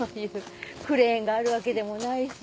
クレーンがあるわけでもないし。